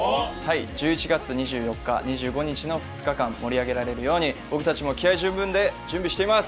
１１月２４日２５日の２日間盛り上げられるように僕たちも気合十分で準備しています！